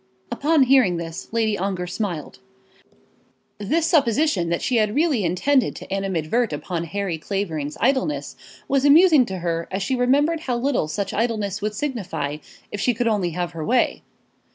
Upon hearing this, Lady Ongar smiled. This supposition that she had really intended to animadvert upon Harry Clavering's idleness was amusing to her as she remembered how little such idleness would signify if she could only have her way.